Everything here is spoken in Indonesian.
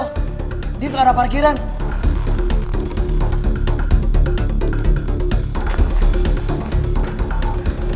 gelengkuh seperti ber jer hayat lo